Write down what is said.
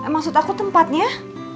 maksud aku tempatnya